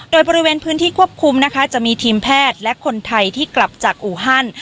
โดยบริเวณพื้นที่ควบคุมนะคะจะมีทีมแพทย์และคนไทยที่กลับจากอูฮัน